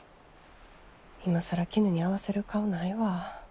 今更キヌに合わせる顔ないわ。